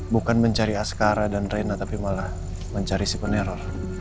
bukan mencari askara dan rena tapi malah mencari si peneror